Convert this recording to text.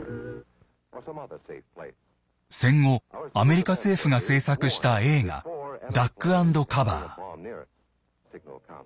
戦後アメリカ政府が製作した映画「ダックアンドカバー」。